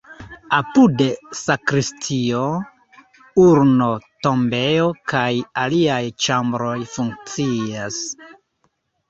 Apude sakristio, urno-tombejo kaj aliaj ĉambroj funkcias.